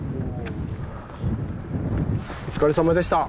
お疲れさまでした！